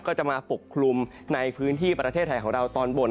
ก็จะมาปกคลุมในพื้นที่ประเทศไทยของเราตอนบน